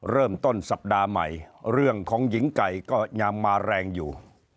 เริ่มต้นสัปดาห์ใหม่เรื่องของหญิงไก่ก็ยังมาแรงอยู่